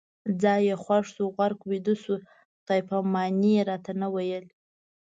ځای یې خوښ شو، غرق ویده شو، خدای پامان یې راته نه ویل